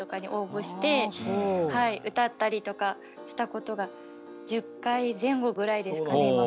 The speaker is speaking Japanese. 歌ったりとかしたことが１０回前後ぐらいですかね